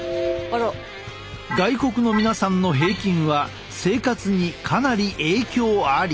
外国の皆さんの平均は生活にかなり影響あり。